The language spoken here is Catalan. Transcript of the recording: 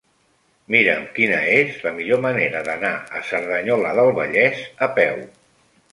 Mira'm quina és la millor manera d'anar a Cerdanyola del Vallès a peu.